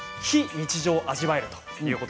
非日常を味わえる。